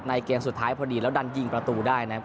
เกมสุดท้ายพอดีแล้วดันยิงประตูได้นะครับ